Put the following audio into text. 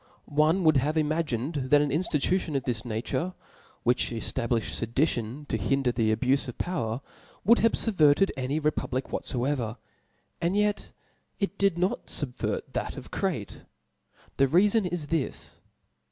One would have ima ^. gined that an inftitution of this nature, which eftabliflicd fedition, to hinder the abufc of power, would have fubverted any republic whatfoever; and yet it did not fubvert that of Crete. The reafon is this *.